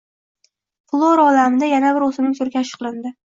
Flora olamida yana bir o‘simlik turi kashf qilinding